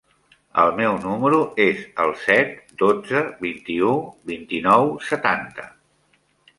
El meu número es el set, dotze, vint-i-u, vint-i-nou, setanta.